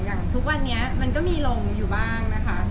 ทุกวันนี้มันก็มีลงอยู่บ้างนะคะ